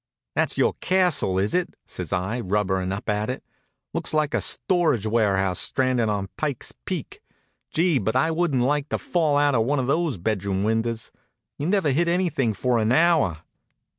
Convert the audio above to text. "That's your castle, is it?" says I, rubberin' up at it. "Looks like a storage warehouse stranded on Pike's Peak. Gee, but I wouldn't like to fall out of one of those bedroom windows! You'd never hit anything for an hour.